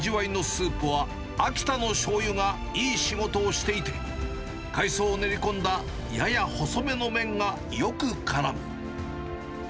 すっきりとした味わいのスープは、秋田のしょうゆがいい仕事をしていて、海藻を練り込んだ、やや細めの麺がよくからむ。